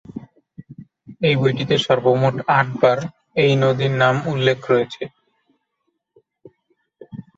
এই বইটিতে সর্বমোট আটবার এই নদীর নাম উল্লেখ রয়েছে।